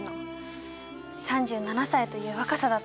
３７歳という若さだったのに。